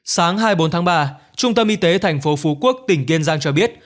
sáng hai mươi bốn tháng ba trung tâm y tế tp hcm tỉnh kiên giang cho biết